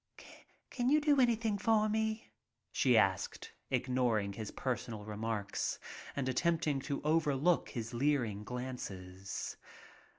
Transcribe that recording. "Can you do anything for me?" she asked, ignor ing his personal remarks and attempting to over look his leering glances.